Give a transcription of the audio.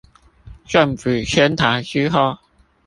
政府遷台之後